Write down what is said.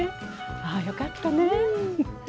ああよかったね。